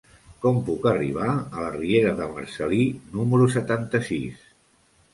Com puc arribar a la riera de Marcel·lí número setanta-sis?